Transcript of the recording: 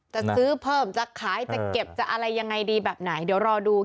จะซื้อเพิ่มจะขายจะเก็บจะอะไรยังไงดีแบบไหนเดี๋ยวรอดู